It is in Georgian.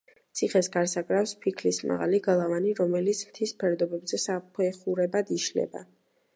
ციხეს გარს აკრავს ფიქლის მაღალი გალავანი, რომელიც მთის ფერდობზე საფეხურებად იშლება.